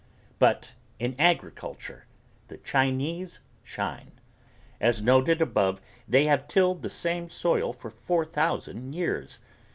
But in agriculture the Chinese shine. As noted above they have tilled the same soil for four thousand years.